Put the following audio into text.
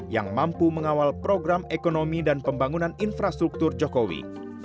yang mampu mengawal program ekonomi dan pembangunan infrastruktur jokowi